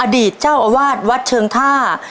อดีตเจ้าอาวาสวัดเชิงท่า